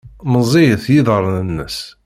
Meẓẓiyit yiḍarren-nnes.